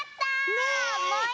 ねえ。